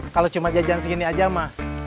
kalau cuma jajan segini aja mah